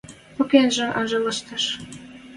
Пӧкенжӹм анжылтеш.